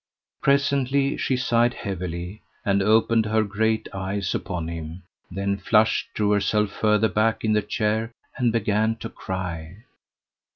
Presently she sighed heavily, and opened her great eyes upon him, then flushed, drew herself further back in the chair, and began to cry.